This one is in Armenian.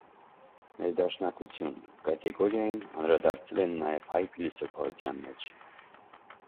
«Ներդաշնակություն» կատեգորիային անդրադարձել են նաև հայ փիլիսոփայության մեջ։